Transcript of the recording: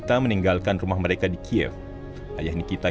karena ini adalah rumahku keluarga dan keluarga aku di kiev